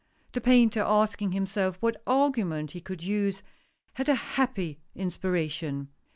The painter asking himself what argument he could use, had a happy inspiration.